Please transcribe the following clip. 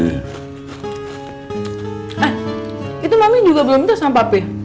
eh itu mami juga belum minta sama papi